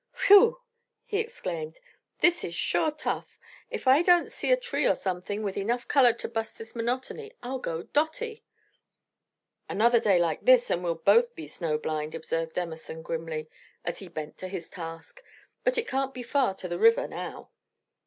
"Whew!" he exclaimed, "this is sure tough. If I don't see a tree or something with enough color to bust this monotony I'll go dotty." "Another day like this and we'd both be snow blind," observed Emerson grimly, as he bent to his task. "But it can't be far to the river now."